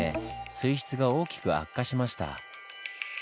水質が大きく悪化しました。